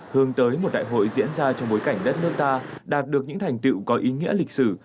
hướng tới một đại hội diễn ra trong bối cảnh đất nước ta đạt được những thành tựu có ý nghĩa lịch sử